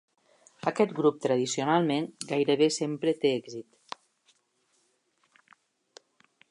Aquest grup, tradicionalment, gairebé sempre té èxit.